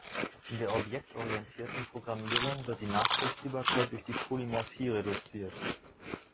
In der objektorientierten Programmierung wird die Nachvollziehbarkeit durch die Polymorphie reduziert.